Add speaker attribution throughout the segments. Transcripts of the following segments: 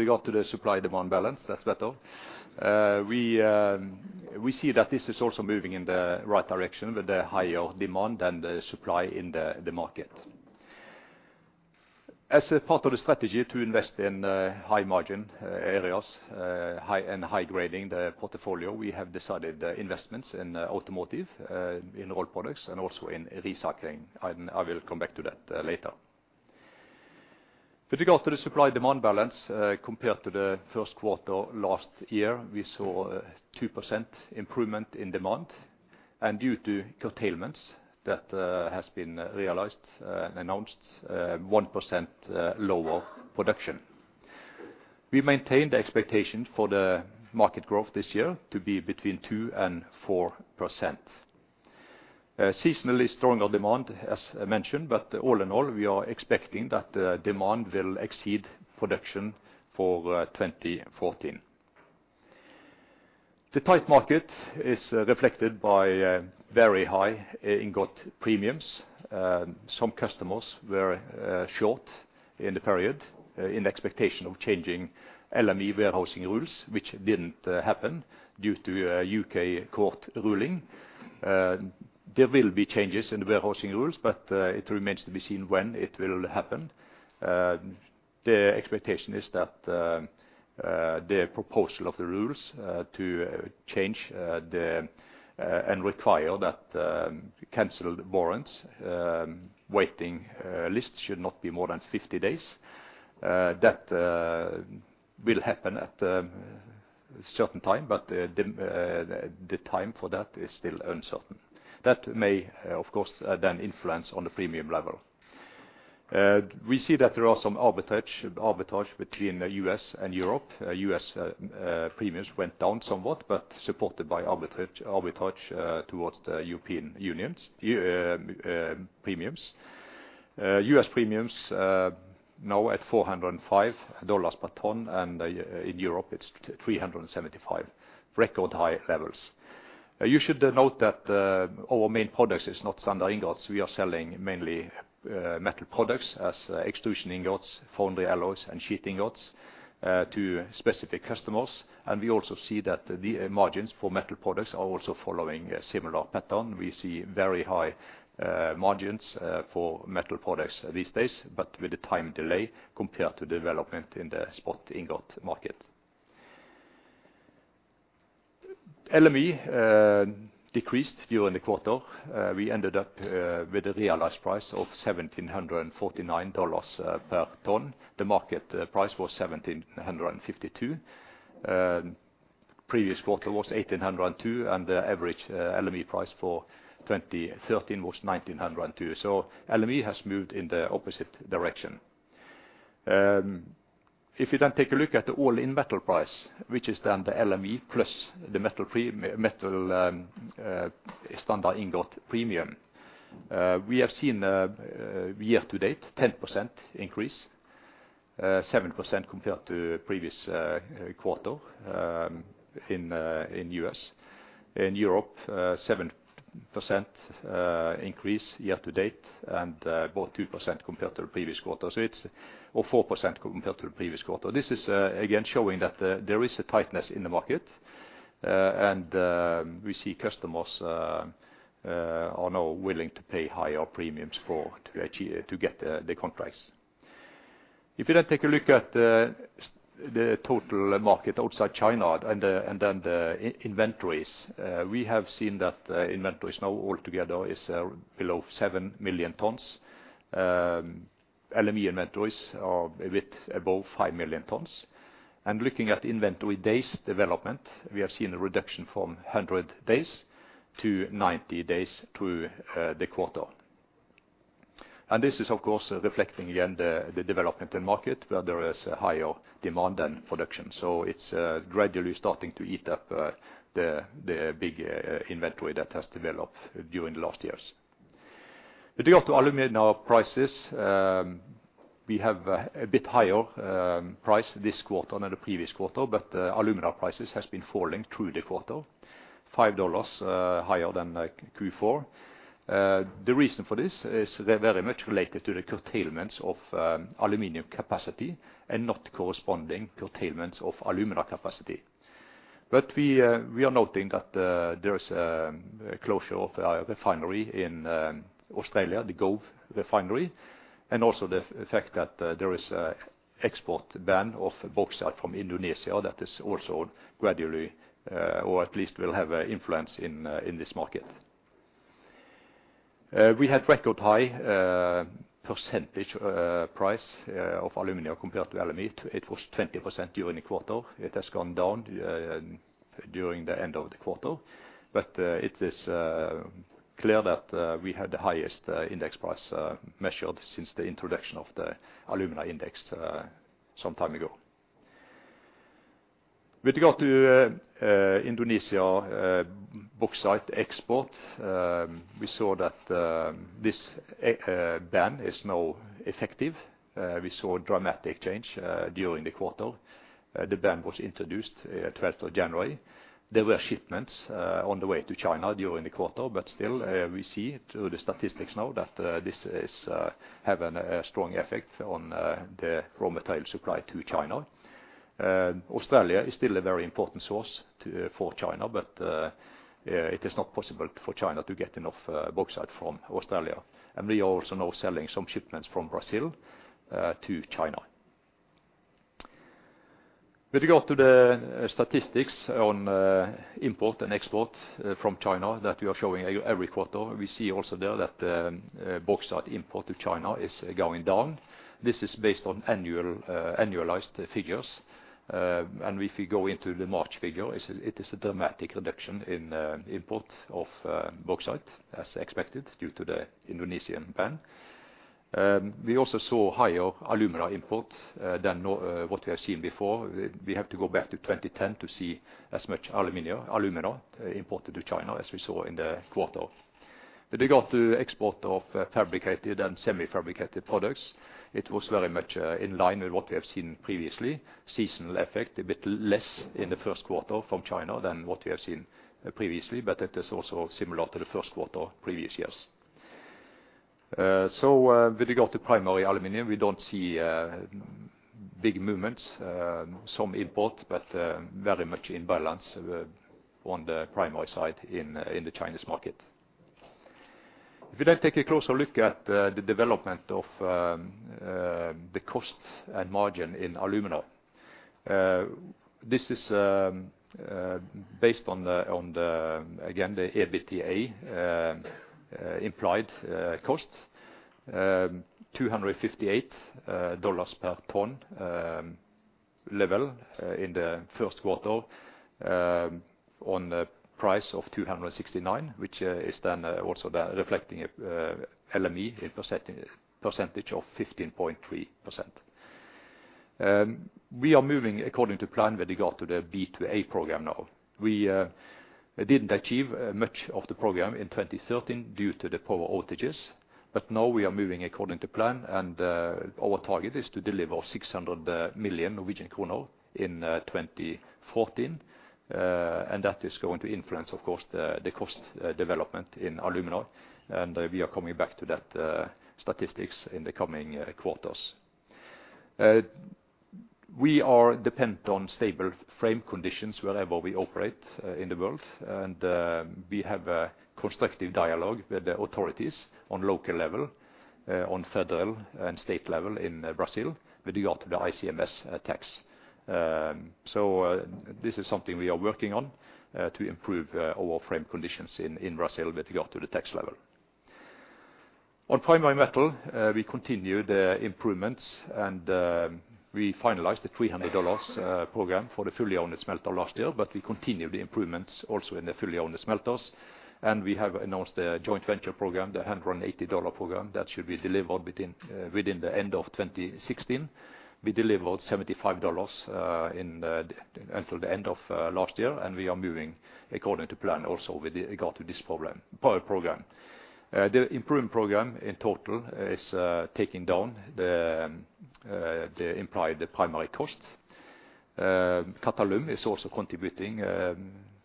Speaker 1: With regard to the supply-demand balance, thats better. We see that this is also moving in the right direction with the higher demand than the supply in the market. As a part of the strategy to invest in high margin areas and high grading the portfolio, we have decided investments in automotive, in Rolled Products, and also in recycling. I will come back to that later. With regard to the supply-demand balance, compared to the first quarter last year, we saw a 2% improvement in demand. Due to curtailments that has been realized and announced, 1% lower production. We maintained the expectation for the market growth this year to be between 2% and 4%. Seasonally stronger demand, as I mentioned, but all in all, we are expecting that demand will exceed production for 2014. The tight market is reflected by very high ingot premiums. Some customers were short in the period in expectation of changing LME warehousing rules, which didn't happen due to a U.K. court ruling. There will be changes in the warehousing rules, but it remains to be seen when it will happen. The expectation is that the proposal of the rules to change and require that canceled warrants waiting list should not be more than 50 days. That will happen at a certain time, but the time for that is still uncertain. That may, of course, then influence on the premium level. We see that there are some arbitrage between the U.S. and Europe. U.S. premiums went down somewhat, but supported by arbitrage towards the European Union's premiums. U.S. premiums now at $405 per ton, and in Europe it's 375. Record high levels. You should note that our main products is not standard ingots. We are selling mainly metal products as extrusion ingots, foundry alloys, and sheet ingots to specific customers. We also see that the margins for metal products are also following a similar pattern. We see very high margins for metal products these days, but with a time delay compared to the development in the spot ingot market. LME decreased during the quarter. We ended up with a realized price of $1,749 per ton. The market price was 1,752. Previous quarter was 1,802, and the average LME price for 2013 was 1,902. LME has moved in the opposite direction. If you then take a look at the all-in metal price, which is then the LME plus the metal standard ingot premium, we have seen year to date 10% increase, 7% compared to previous quarter, in US. In Europe, 7% increase year to date, and about 2% compared to the previous quarter. Or 4% compared to the previous quarter. This is again showing that there is a tightness in the market. We see customers are now willing to pay higher premiums for to achieve to get the the contracts. If you then take a look at the total market outside China and and then the inventories we have seen that inventories now altogether is below 7 million tons. LME inventories are a bit above 5 million tons. Looking at the inventory days development, we have seen a reduction from 100 days-90 days through the quarter. This is of course reflecting again the the development in market, where there is a higher demand than production. It's gradually starting to eat up the the big inventory that has developed during the last years. With regard to alumina prices, we have a bit higher price this quarter than the previous quarter, but the alumina prices has been falling through the quarter, $5 higher than Q4. The reason for this is very much related to the curtailments of aluminum capacity and not corresponding curtailments of alumina capacity. We are noting that there is a closure of a refinery in Australia, the Gove refinery, and also the fact that there is an export ban of bauxite from Indonesia that is also gradually or at least will have an influence in this market. We had record high percentage price of aluminum compared to LME. It was 20% during the quarter. It has gone down during the end of the quarter, but it is clear that we had the highest index price measured since the introduction of the alumina index some time ago. With regard to Indonesia bauxite export, we saw that this ban is now effective. We saw a dramatic change during the quarter. The ban was introduced 12 of January. There were shipments on the way to China during the quarter, but still, we see through the statistics now that this has a strong effect on the raw material supply to China. Australia is still a very important source for China, but it is not possible for China to get enough bauxite from Australia. We are also now selling some shipments from Brazil to China. With regard to the statistics on import and export from China that we are showing every quarter, we see also there that bauxite import to China is going down. This is based on annualized figures. If you go into the March figure, it is a dramatic reduction in import of bauxite, as expected, due to the Indonesian ban. We also saw higher alumina imports than what we have seen before. We have to go back to 2010 to see as much alumina imported to China as we saw in the quarter. With regard to export of fabricated and semi-fabricated products, it was very much in line with what we have seen previously. Seasonal effect, a bit less in the first quarter from China than what we have seen previously, but it is also similar to the first quarter previous years. With regard to primary aluminum, we don't see big movements. Some import, but very much in balance on the primary side in the Chinese market. If you then take a closer look at the development of the cost and margin in alumina, this is based on the, again, the EBITDA implied cost. $258 per ton level in the first quarter on a price of $269, which is then also reflecting LME in percentage of 15.3%. We are moving according to plan with regard to the B&A program now. We didn't achieve much of the program in 2013 due to the power outages, but now we are moving according to plan, and our target is to deliver 600 million Norwegian kroner in 2014. That is going to influence, of course, the cost development in alumina, and we are coming back to that statistics in the coming quarters. We are dependent on stable frame conditions wherever we operate in the world. We have a constructive dialogue with the authorities on local level, on federal and state level in Brazil with regard to the ICMS tax. This is something we are working on to improve our frame conditions in Brazil with regard to the tax level. On Primary Metal, we continue the improvements, and we finalized the $300 program for the fully-owned smelter last year, but we continue the improvements also in the fully-owned smelters. We have announced a joint venture program, the $180 program, that should be delivered within the end of 2016. We delivered $75 until the end of last year, and we are moving according to plan also with regard to this program. The improvement program in total is taking down the implied primary cost. Qatalum is also contributing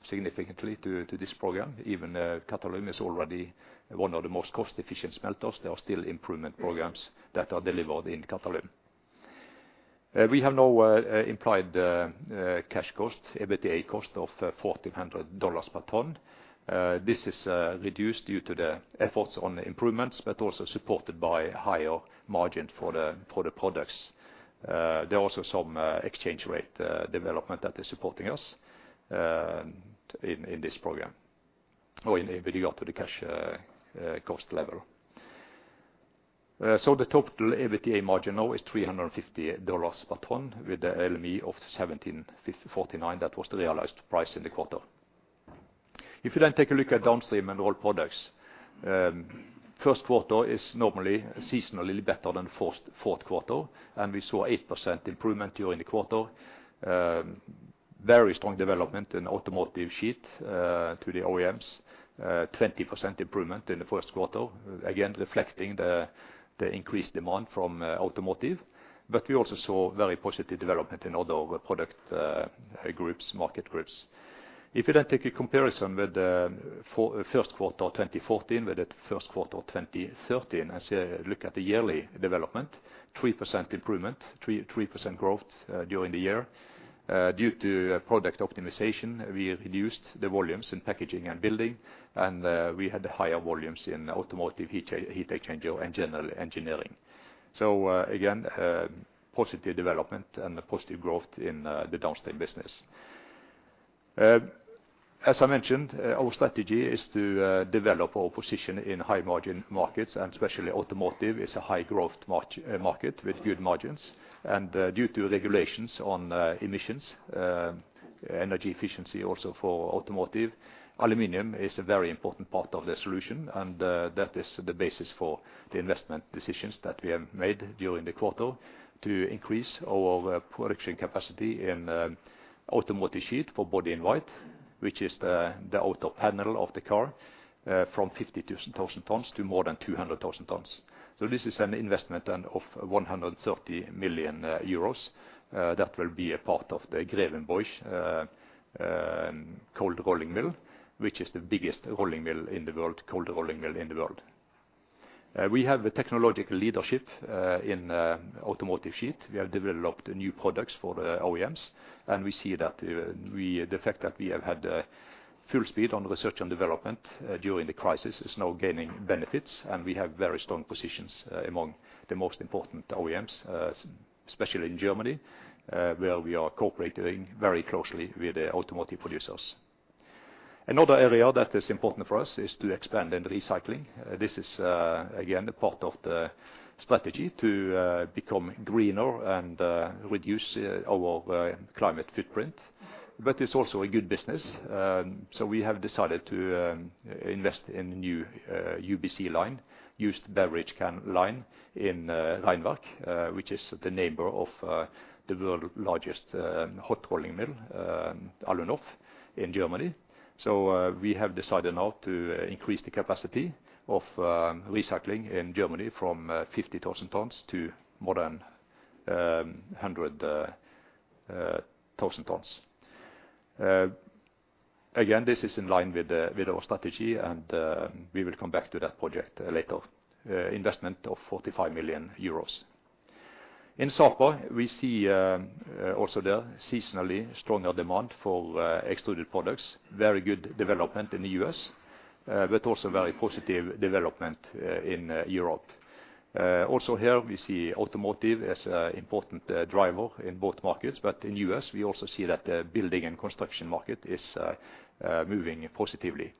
Speaker 1: significantly to this program. Even Qatalum is already one of the most cost-efficient smelters. There are still improvement programs that are delivered in Qatalum. We have now implied cash cost, EBITDA cost, of $1,400 per ton. This is reduced due to the efforts on the improvements, but also supported by higher margin for the products. There are also some exchange rate development that is supporting us in this program, or in, with regard to the cash cost level. The total EBITDA margin now is $350 per ton with the LME of 1,754.49 that was the realized price in the quarter. If you then take a look at downstream and Rolled Products, first quarter is normally seasonally better than fourth quarter, and we saw 8% improvement during the quarter. Very strong development in automotive sheet to the OEMs. 20% improvement in the first quarter, again, reflecting the increased demand from automotive. We also saw very positive development in other product groups, market groups. If you then take a comparison with first quarter 2014 with the first quarter 2013, as you look at the yearly development, 3% improvement, 3% growth during the year. Due to product optimization, we reduced the volumes in packaging and building, and we had higher volumes in automotive heat exchanger and general engineering. So, again, positive development and positive growth in the downstream business. As I mentioned, our strategy is to develop our position in high-margin markets, and especially automotive is a high-growth market with good margins. Due to regulations on emissions, energy efficiency also for automotive, aluminum is a very important part of the solution. That is the basis for the investment decisions that we have made during the quarter to increase our production capacity in automotive sheet for body in white, which is the outer panel of the car, from 50,000 tons to more than 200,000 tons. This is an investment then of 130 million euros. That will be a part of the Grevenbroich cold rolling mill, which is the biggest cold rolling mill in the world. We have a technological leadership in automotive sheet. We have developed new products for OEMs, and we see that the fact that we have had full speed on research and development during the crisis is now gaining benefits. We have very strong positions among the most important OEMs, especially in Germany, where we are cooperating very closely with the automotive producers. Another area that is important for us is to expand in recycling. This is again a part of the strategy to become greener and reduce our climate footprint. It's also a good business, so we have decided to invest in new UBC line, used beverage can line, in Rheinwerk, which is the neighbor of the world's largest hot rolling mill, Alunorf in Germany. We have decided now to increase the capacity of recycling in Germany from 50,000 tons to more than 100,000 tons. Again, this is in line with our strategy, and we will come back to that project later. Investment of 45 million euros. In Sapa, we see also there seasonally stronger demand for extruded products. Very good development in the U.S., but also very positive development in Europe. Also here, we see automotive as a important driver in both markets. In U.S., we also see that building and construction market is moving positively.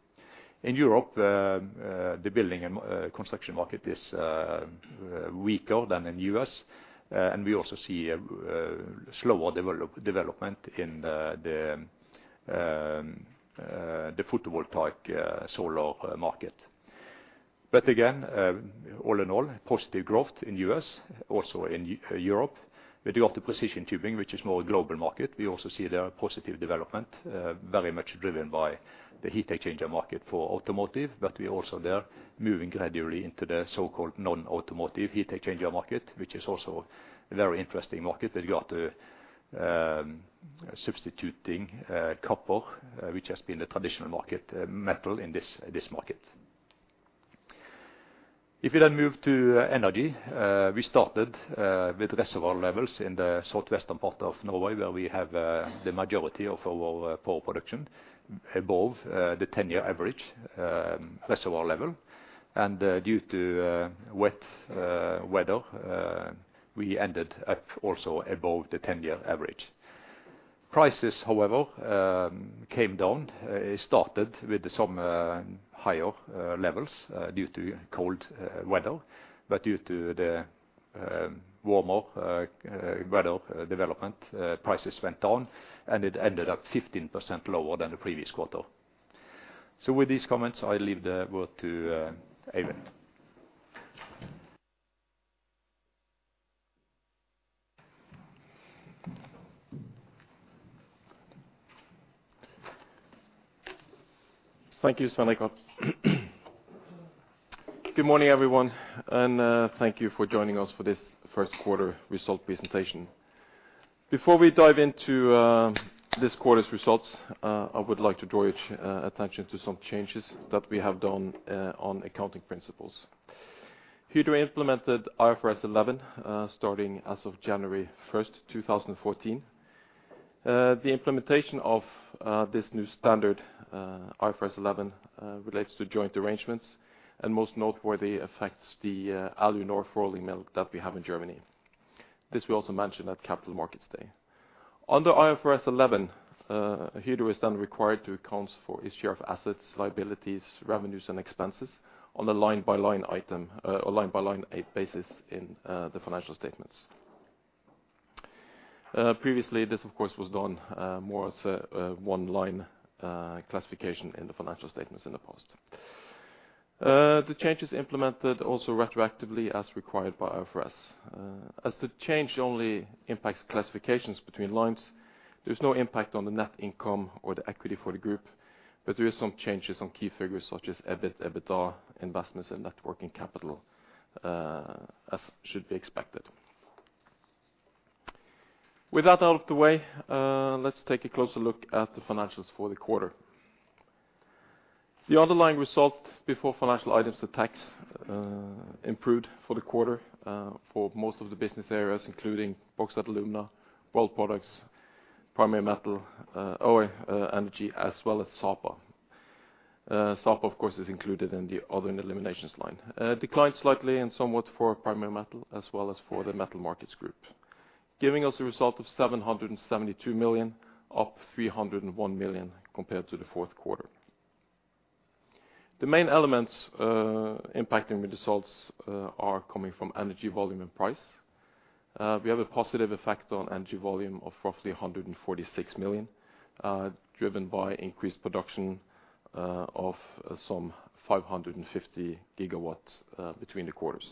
Speaker 1: In Europe, the building and construction market is weaker than in U.S. We also see a slower development in the photovoltaic solar market. Again, all in all, positive growth in U.S., also in Europe. With regard to precision tubing, which is more a global market, we also see there a positive development, very much driven by the heat exchanger market for automotive. We also there moving gradually into the so-called non-automotive heat exchanger market, which is also a very interesting market with regard to substituting copper, which has been the traditional market metal in this market. If you then move to energy, we started with reservoir levels in the southwestern part of Norway, where we have the majority of our power production above the 10-year average reservoir level. Due to wet weather, we ended up also above the 10-year average. Prices, however, came down. It started with some higher levels due to cold weather. Due to the warmer weather development, prices went down, and it ended up 15% lower than the previous quarter. With these comments, I leave the word to Eivind.
Speaker 2: Thank you, Svein Richard. Good morning, everyone, and thank you for joining us for this first quarter result presentation. Before we dive into this quarter's results, I would like to draw your attention to some changes that we have done on accounting principles. Here we implemented IFRS 11 starting as of January 1st, 2014. The implementation of this new standard, IFRS 11, relates to joint arrangements and most noteworthy affects the Alunorf rolling mill that we have in Germany. This we also mentioned at Capital Markets Day. Under IFRS 11, here it was then required to account for its share of assets, liabilities, revenues, and expenses on a line-by-line basis in the financial statements. Previously, this of course was done more as a one-line classification in the financial statements in the past. The changes implemented also retroactively as required by IFRS. As the change only impacts classifications between lines, there's no impact on the net income or the equity for the group, but there is some changes on key figures such as EBIT, EBITDA, investments, and net working capital, as should be expected. With that out of the way, let's take a closer look at the financials for the quarter. The underlying result before financial items and tax improved for the quarter for most of the business areas, including Bauxite & Alumina, Rolled Products, Primary Metal, Energy, as well as Sapa. Sapa, of course, is included in the other and eliminations line. Declined slightly and somewhat for Primary Metal as well as for the Metal Markets group, giving us a result of 772 million, up 301 million compared to the fourth quarter. The main elements impacting the results are coming from energy volume and price. We have a positive effect on energy volume of roughly 146 million, driven by increased production of some 550 GW between the quarters.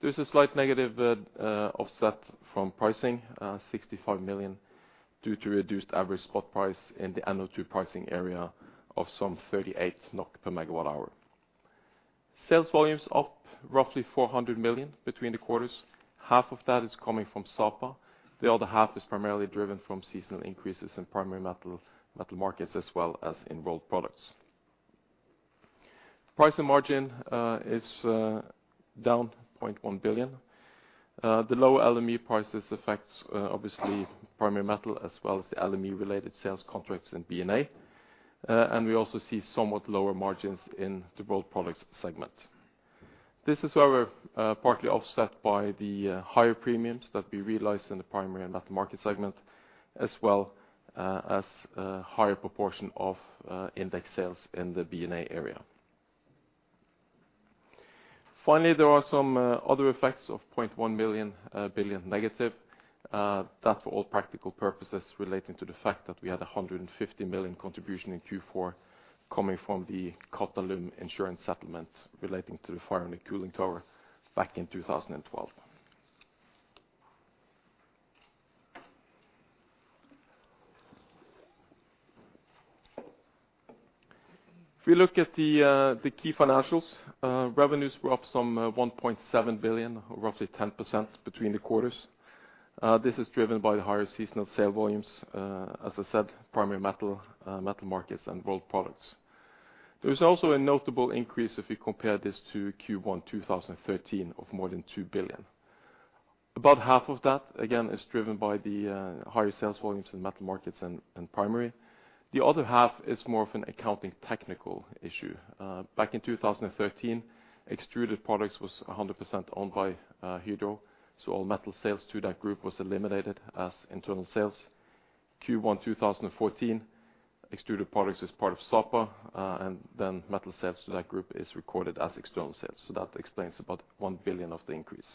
Speaker 2: There's a slight negative offset from pricing, 65 million, due to reduced average spot price in the NO2 pricing area of some 38 NOK per megawatt hour. Sales volumes up roughly 400 million between the quarters. Half of that is coming from Sapa. The other half is primarily driven from seasonal increases in Primary Metal Markets, as well as in Rolled Products. Price and margin is down 0.1 billion. The lower LME prices affects obviously Primary Metal as well as the LME-related sales contracts in B&A. We also see somewhat lower margins in the Rolled Products segment. This is however partly offset by the higher premiums that we realized in the Primary and Metal Markets segment, as well as a higher proportion of index sales in the B&A area. Finally, there are some other effects of 0.1 billion negative. That for all practical purposes relating to the fact that we had 150 million contribution in Q4 coming from the Karmøy insurance settlement relating to the fire in the cooling tower back in 2012. If we look at the key financials, revenues were up some 1.7 billion, roughly 10% between the quarters. This is driven by the higher seasonal sale volumes, as I said, Primary Metal Markets and Rolled Products. There is also a notable increase if you compare this to Q1 2013 of more than 2 billion. About half of that, again, is driven by the higher sales volumes in Metal Markets and Primary. The other half is more of an accounting technical issue. Back in 2013, Extruded Products was 100% owned by Hydro, so all metal sales to that group was eliminated as internal sales. Q1 2014, Extruded Products is part of Sapa, and then metal sales to that group is recorded as external sales. That explains about 1 billion of the increase.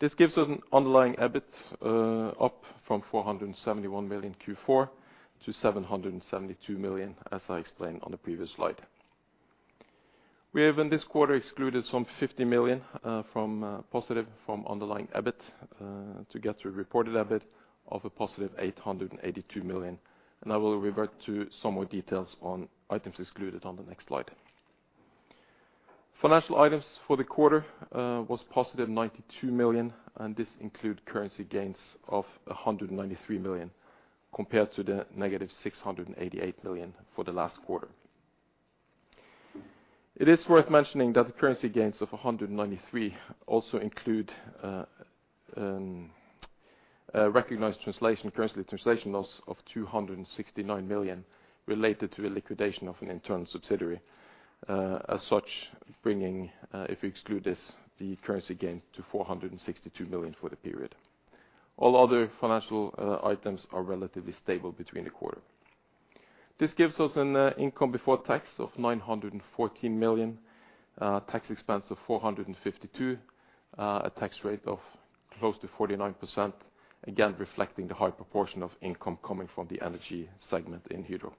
Speaker 2: This gives us an underlying EBIT up from 471 million Q4 to 772 million, as I explained on the previous slide. We have in this quarter excluded some 50 million from positive underlying EBIT to get to a reported EBIT of a positive 882 million, and I will revert to some more details on items excluded on the next slide. Financial items for the quarter was positive 92 million, and this include currency gains of 193 million compared to the negative 688 million for the last quarter. It is worth mentioning that the currency gains of 193 million also include recognized currency translation loss of 269 million related to the liquidation of an internal subsidiary. As such, bringing, if you exclude this, the currency gain to 462 million for the period. All other financial items are relatively stable between the quarters. This gives us an income before tax of 914 million, tax expense of 452, a tax rate of close to 49%, again, reflecting the high proportion of income coming from the energy segment in Hydro.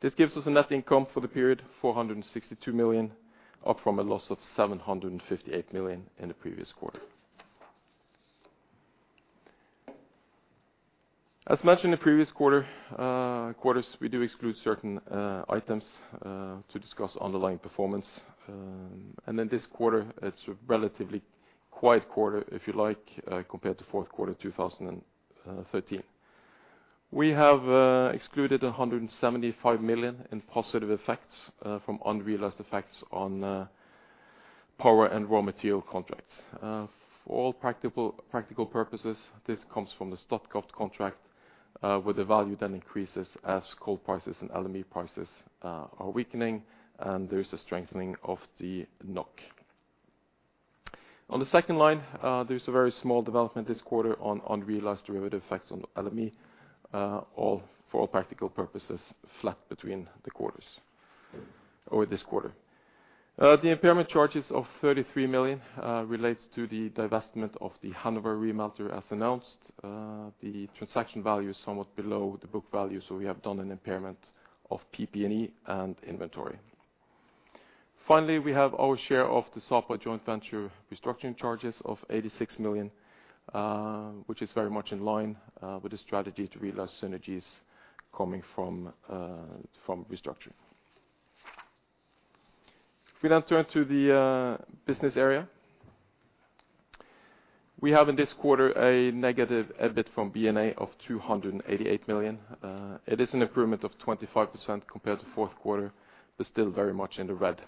Speaker 2: This gives us a net income for the period, 462 million, up from a loss of 758 million in the previous quarter. As mentioned in previous quarters, we do exclude certain items to discuss underlying performance. In this quarter, it's a relatively quiet quarter, if you like, compared to fourth quarter 2013. We have excluded 175 million in positive effects from unrealized effects on power and raw material contracts. For all practical purposes, this comes from the Statkraft contract, where the value then increases as coal prices and LME prices are weakening and there is a strengthening of the NOK. On the second line, there's a very small development this quarter on unrealized derivative effects on LME, for all practical purposes, flat between the quarters or this quarter. The impairment charges of 33 million relates to the divestment of the Hannover remelter as announced. The transaction value is somewhat below the book value, so we have done an impairment of PP&E and inventory. Finally, we have our share of the Sapa joint venture restructuring charges of 86 million, which is very much in line with the strategy to realize synergies coming from restructuring. If we now turn to the business area. We have in this quarter a negative EBIT from B&A of 288 million. It is an improvement of 25% compared to fourth quarter, but still very much in the red.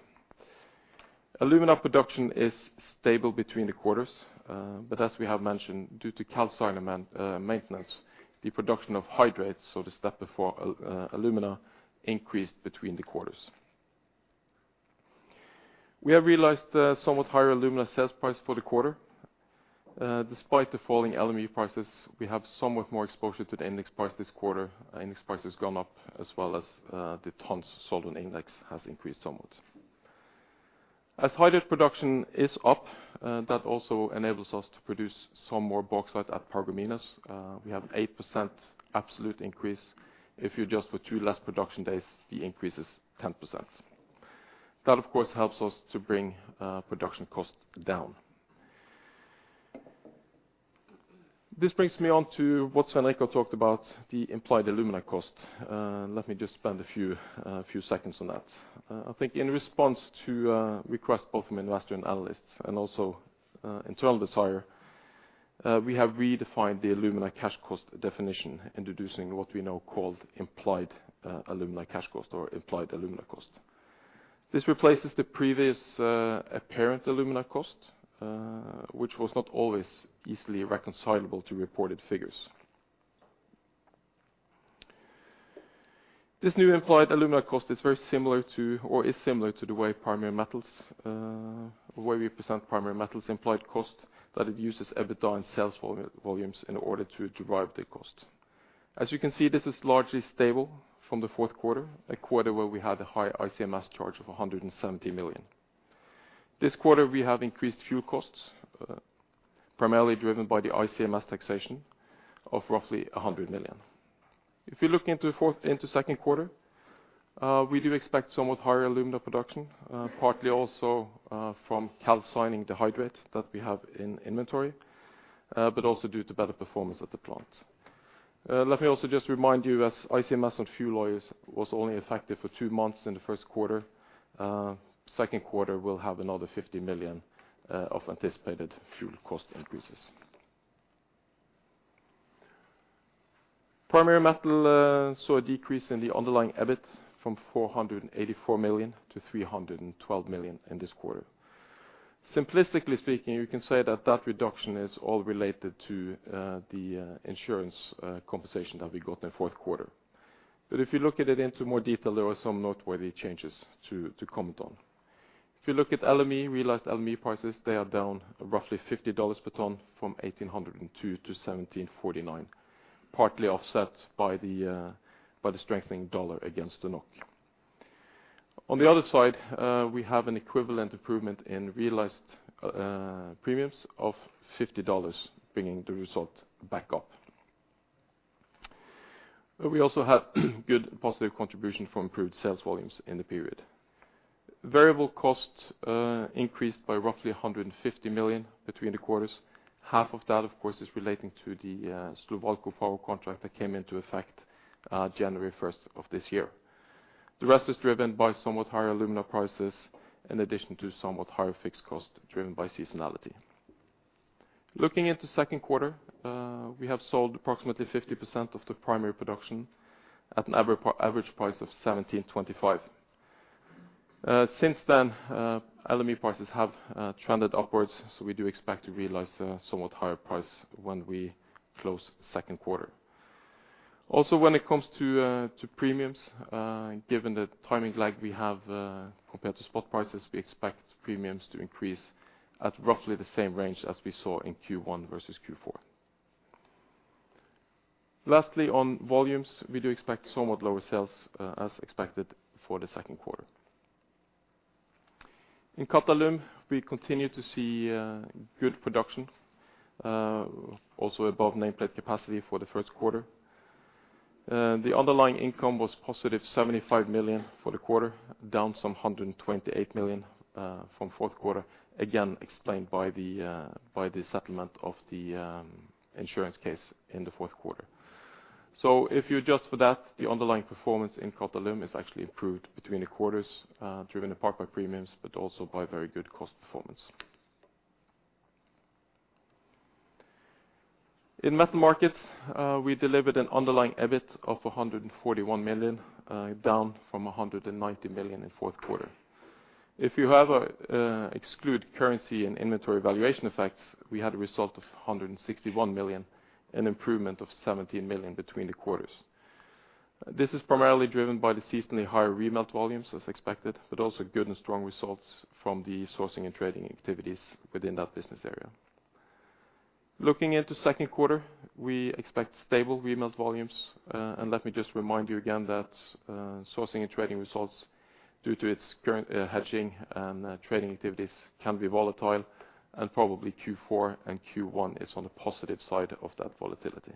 Speaker 2: Alumina production is stable between the quarters, but as we have mentioned, due to calcine maintenance, the production of hydrates, so the step before alumina, increased between the quarters. We have realized somewhat higher alumina sales price for the quarter. Despite the falling LME prices, we have somewhat more exposure to the index price this quarter. Index price has gone up as well as, the tons sold on index has increased somewhat. As hydrate production is up, that also enables us to produce some more bauxite at Paragominas. We have 8% absolute increase. If you adjust for two less production days, the increase is 10%. That, of course, helps us to bring, production cost down. This brings me on to what Svein Richard talked about, the implied alumina cost. Let me just spend a few seconds on that. I think in response to, requests both from investors and analysts and also, internal desire, we have redefined the alumina cash cost definition, introducing what we now call implied, alumina cash cost or implied alumina cost. This replaces the previous, apparent alumina cost, which was not always easily reconcilable to reported figures. This new implied alumina cost is very similar to or is similar to the way we present Primary Metals implied cost, that it uses EBITDA and sales volumes in order to derive the cost. As you can see, this is largely stable from the fourth quarter, a quarter where we had a high ICMS charge of 170 million. This quarter we have increased fuel costs, primarily driven by the ICMS taxation of roughly 100 million. If you're looking into second quarter, we do expect somewhat higher alumina production, partly also from calcining the hydrate that we have in inventory, but also due to better performance of the plant. Let me also just remind you as ICMS and fuel oil was only effective for two months in the first quarter. Second quarter will have another 50 million of anticipated fuel cost increases. Primary Metal saw a decrease in the underlying EBIT from 484 million to 312 million in this quarter. Simplistically speaking, you can say that that reduction is all related to the insurance compensation that we got in the fourth quarter. If you look at it in more detail, there are some noteworthy changes to comment on. If you look at LME, realized LME prices, they are down roughly $50 per ton from 1,802-1,749, partly offset by the strengthening dollar against the NOK. On the other side, we have an equivalent improvement in realized premiums of $50, bringing the result back up. We also have good positive contribution from improved sales volumes in the period. Variable costs increased by roughly 150 million between the quarters. Half of that, of course, is relating to the Slovalco power contract that came into effect January1st of this year. The rest is driven by somewhat higher alumina prices in addition to somewhat higher fixed costs driven by seasonality. Looking at the second quarter, we have sold approximately 50% of the primary production at an average price of 1,725. Since then, LME prices have trended upwards, so we do expect to realize a somewhat higher price when we close the second quarter. Also, when it comes to premiums, given the timing lag we have, compared to spot prices, we expect premiums to increase at roughly the same range as we saw in Q1 versus Q4. Lastly, on volumes, we do expect somewhat lower sales, as expected for the second quarter. In Qatalum, we continue to see good production, also above nameplate capacity for the first quarter. The underlying income was positive 75 million for the quarter, down some 128 million, from fourth quarter, again explained by the settlement of the insurance case in the fourth quarter. If you adjust for that, the underlying performance in Qatalum is actually improved between the quarters, driven in part by premiums, but also by very good cost performance. In Metal Markets, we delivered an underlying EBIT of 141 million, down from 190 million in fourth quarter. If you exclude currency and inventory valuation effects, we had a result of 161 million, an improvement of 17 million between the quarters. This is primarily driven by the seasonally higher remelt volumes as expected, but also good and strong results from the sourcing and trading activities within that business area. Looking into second quarter, we expect stable remelt volumes, and let me just remind you again that sourcing and trading results due to its current hedging and trading activities can be volatile and probably Q4 and Q1 is on the positive side of that volatility.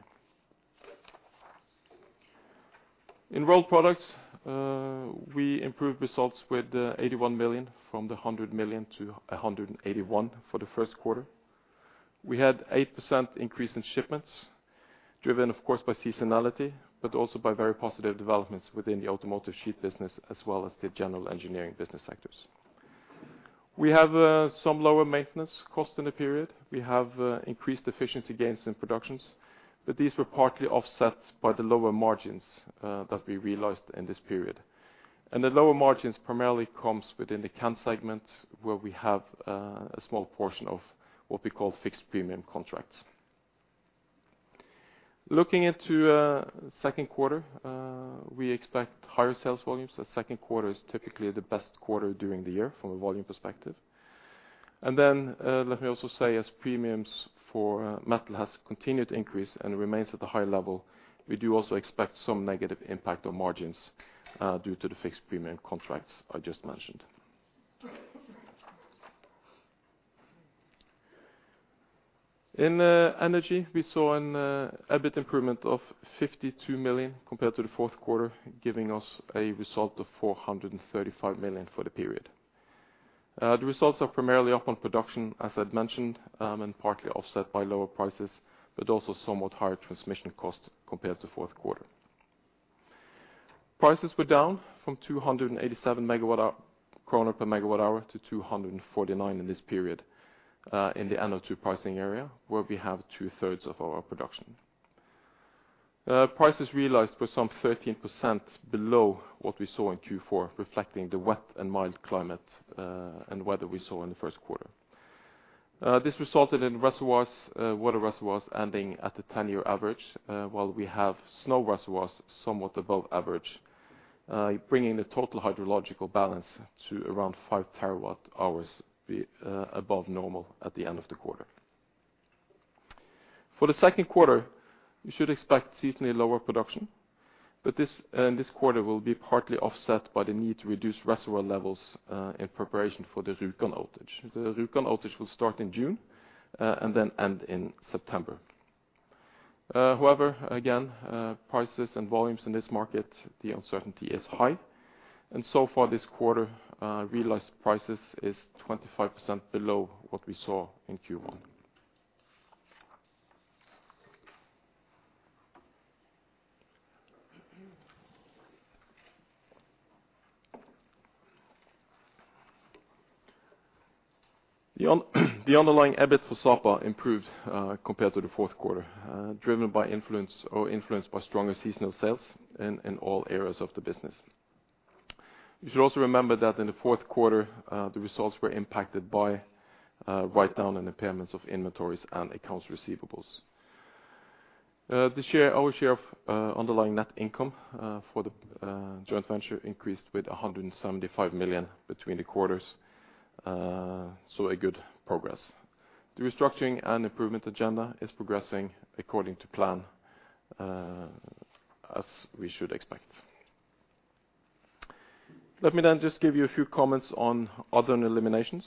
Speaker 2: In Rolled Products, we improved results with 81 million from the 100 million-181 million for the first quarter. We had 8% increase in shipments driven, of course, by seasonality, but also by very positive developments within the automotive sheet business as well as the general engineering business sectors. We have some lower maintenance costs in the period. We have increased efficiency gains in productions, but these were partly offset by the lower margins that we realized in this period. The lower margins primarily comes within the can segment where we have a small portion of what we call fixed premium contracts. Looking into second quarter, we expect higher sales volumes. The second quarter is typically the best quarter during the year from a volume perspective. Let me also say as premiums for metal has continued to increase and remains at a high level, we do also expect some negative impact on margins due to the fixed premium contracts I just mentioned. In Energy, we saw an EBIT improvement of 52 million compared to the fourth quarter, giving us a result of 435 million for the period. The results are primarily up on production, as I'd mentioned, and partly offset by lower prices, but also somewhat higher transmission costs compared to fourth quarter. Prices were down from 287 kroner per MWh hour to 249 in this period in the NO2 pricing area, where we have 2/3 of our production. Prices realized were some 13% below what we saw in Q4, reflecting the wet and mild climate and weather we saw in the first quarter. This resulted in water reservoirs ending at the 10-year average, while we have snow reservoirs somewhat above average, bringing the total hydrological balance to around 5 TWh above normal at the end of the quarter. For the second quarter, we should expect seasonally lower production, but this quarter will be partly offset by the need to reduce reservoir levels in preparation for the Rjukan outage. The Rjukan outage will start in June and then end in September. However, again, prices and volumes in this market, the uncertainty is high. So far this quarter, realized prices is 25% below what we saw in Q1. The underlying EBIT for Sapa improved, compared to the fourth quarter, driven by influence or influenced by stronger seasonal sales in all areas of the business. You should also remember that in the fourth quarter, the results were impacted by write-down and impairments of inventories and accounts receivables. This year, our share of underlying net income for the joint venture increased with 175 million between the quarters. A good progress. The restructuring and improvement agenda is progressing according to plan, as we should expect. Let me then just give you a few comments on other eliminations.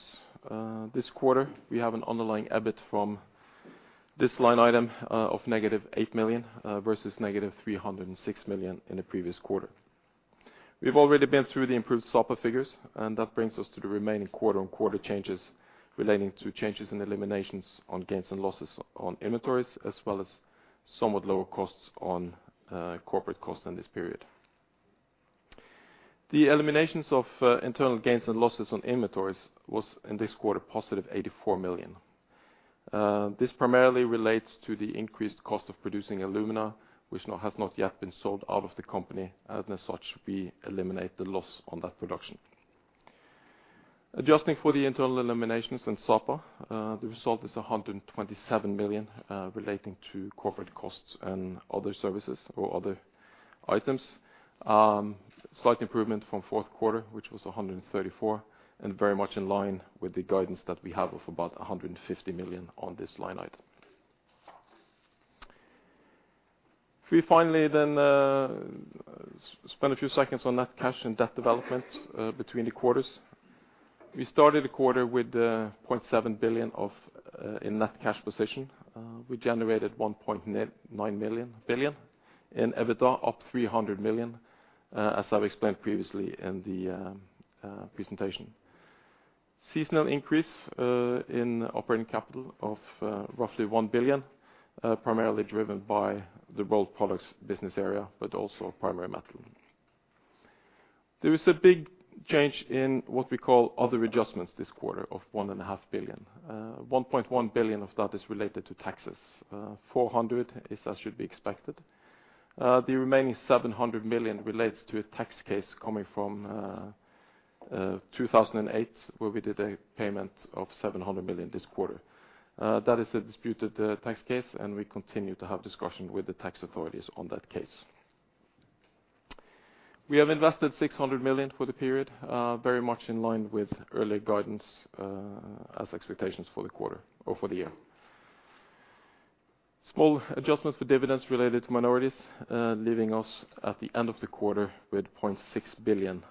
Speaker 2: This quarter, we have an underlying EBIT from this line item of negative 8 million, versus negative 306 million in the previous quarter. We've already been through the improved Sapa figures, and that brings us to the remaining quarter-on-quarter changes relating to changes in eliminations on gains and losses on inventories, as well as somewhat lower costs on corporate costs in this period. The eliminations of internal gains and losses on inventories was, in this quarter, positive 84 million. This primarily relates to the increased cost of producing alumina, which has not yet been sold out of the company, and as such, we eliminate the loss on that production. Adjusting for the internal eliminations in Sapa, the result is 127 million relating to corporate costs and other services or other items. Slight improvement from fourth quarter, which was 134, and very much in line with the guidance that we have of about 150 million on this line item. If we finally spend a few seconds on net cash and debt developments between the quarters. We started the quarter with 0.7 billion in net cash position. We generated 1.9 billion in EBITDA, up 300 million, as I've explained previously in the presentation. Seasonal increase in operating capital of roughly 1 billion, primarily driven by the Rolled Products business area, but also Primary Metal. There is a big change in what we call other adjustments this quarter of 1.5 billion. 1.1 billion of that is related to taxes. 400 is as should be expected. The remaining 700 million relates to a tax case coming from 2008, where we did a payment of 700 million this quarter. That is a disputed tax case, and we continue to have discussion with the tax authorities on that case. We have invested 600 million for the period, very much in line with early guidance, as expected for the quarter or for the year. Small adjustments for dividends related to minorities, leaving us at the end of the quarter with 0.6 billion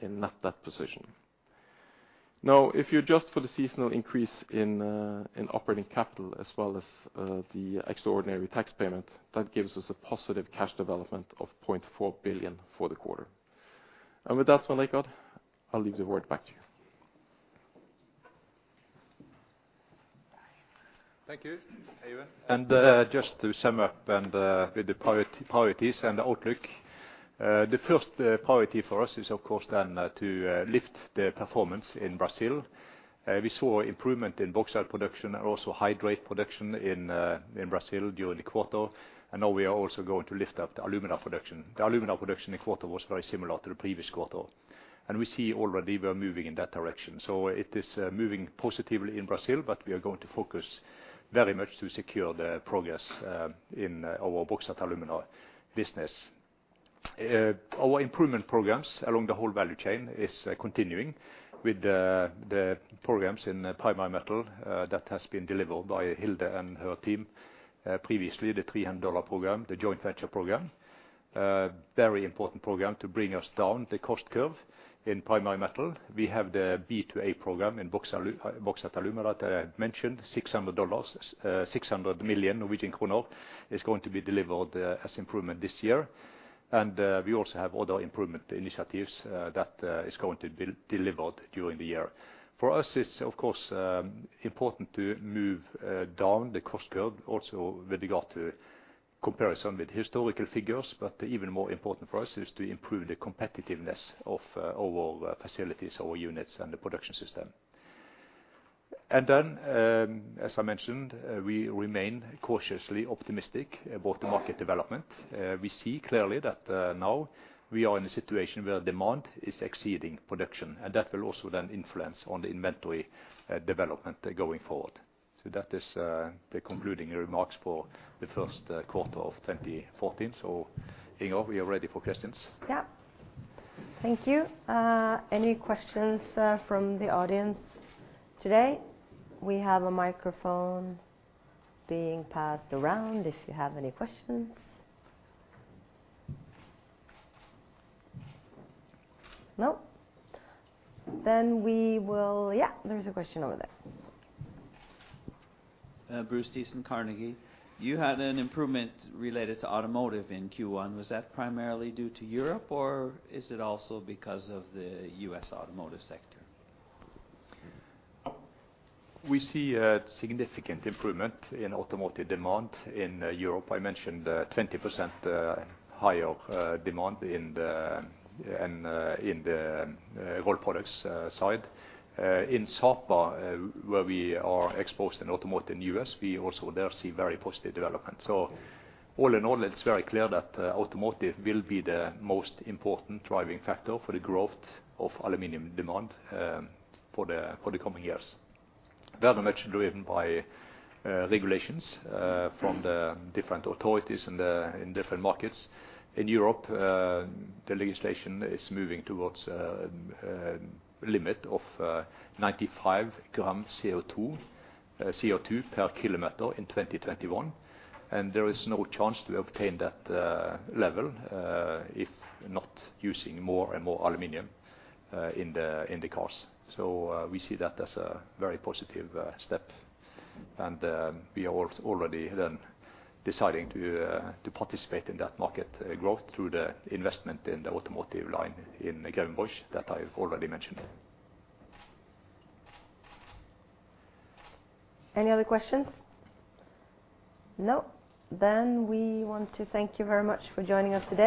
Speaker 2: in net debt position. Now, if you adjust for the seasonal increase in operating capital, as well as the extraordinary tax payment, that gives us a positive cash development of 0.4 billion for the quarter. With that, Svein Richard, I'll leave the word back to you.
Speaker 1: Thank you, Eivind. Just to sum up and with the priorities and the outlook, the first priority for us is of course to lift the performance in Brazil. We saw improvement in bauxite production and also hydrate production in Brazil during the quarter. Now we are also going to lift up the alumina production. The alumina production in quarter was very similar to the previous quarter. We see already we are moving in that direction. It is moving positively in Brazil, but we are going to focus very much to secure the progress in our Bauxite & Alumina business. Our improvement programs along the whole value chain is continuing with the programs in primary metal that has been delivered by Hilde and her team previously, the $300 program, the joint venture program. Very important program to bring us down the cost curve in primary metal. We have the B&A program in Bauxite & Alumina that I mentioned, $600, 600 million Norwegian kroner is going to be delivered as improvement this year. We also have other improvement initiatives that is going to be delivered during the year. For us, it's of course important to move down the cost curve also with regard to comparison with historical figures, but even more important for us is to improve the competitiveness of our facilities, our units and the production system. As I mentioned, we remain cautiously optimistic about the market development. We see clearly that now we are in a situation where demand is exceeding production, and that will also then influence on the inventory development going forward. That is the concluding remarks for the first quarter of 2014. Inger, we are ready for questions.
Speaker 3: Yeah. Thank you. Any questions from the audience today? We have a microphone being passed around if you have any questions. No? We will. Yeah, there is a question over there.
Speaker 4: Bruce Thissen, Carnegie. You had an improvement related to automotive in Q1. Was that primarily due to Europe, or is it also because of the US automotive sector?
Speaker 1: We see a significant improvement in automotive demand in Europe. I mentioned 20% higher demand in the Rolled Products side. In Sapa, where we are exposed in automotive in U.S., we also there see very positive development. All in all, it's very clear that automotive will be the most important driving factor for the growth of aluminum demand for the coming years. Very much driven by regulations from the different authorities in different markets. In Europe, the legislation is moving towards limit of 95 gram CO2 per kilometer in 2021, and there is no chance to obtain that level if not using more and more aluminum in the cars. We see that as a very positive step. We are already deciding to participate in that market growth through the investment in the automotive line in Grevenbroich that I already mentioned.
Speaker 3: Any other questions? No? We want to thank you very much for joining us today.